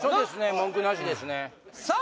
文句なしですねさあ